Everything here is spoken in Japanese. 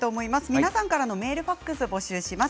皆さんからのメール、ファックス募集します。